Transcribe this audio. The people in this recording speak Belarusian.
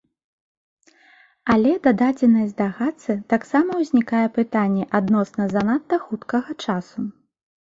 Але да дадзенай здагадцы таксама ўзнікае пытанне адносна занадта хуткага часу.